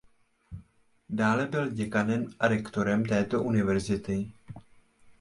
Dále byl děkanem a rektorem této univerzity.